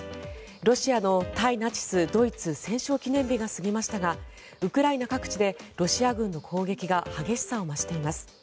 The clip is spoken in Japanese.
ロシアの対ナチス・ドイツ戦勝記念日が過ぎましたがウクライナ各地でロシア軍の攻撃が激しさを増しています。